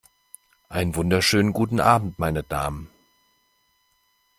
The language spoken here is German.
Einen wunderschönen guten Abend, meine Damen!